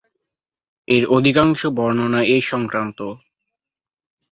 এর অধিকাংশ বর্ণনা এ সংক্রান্ত।